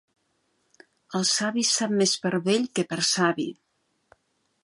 El savi sap més per vell que per savi.